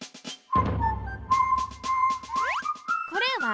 これは軒。